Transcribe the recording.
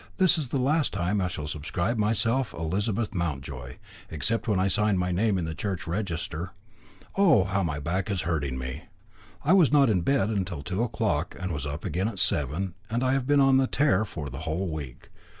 "This is the last time I shall subscribe myself Elizabeth Mountjoy, except when I sign my name in the church register. Oh! how my back is hurting me. I was not in bed till two o'clock and was up again at seven, and I have been on the tear for the whole week.